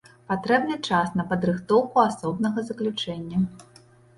Патрэбны час на падрыхтоўку асобнага заключэння.